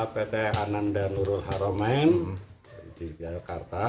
pt anandar nurul haroman di jakarta